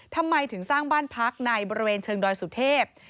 ทำไมถึงสร้างบ้านพักในบริเวณเชิงดอยสุเทพ